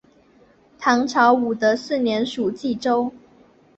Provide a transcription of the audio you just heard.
唐朝武德四年属济州。